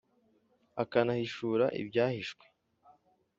akanahishura ibyahishwe.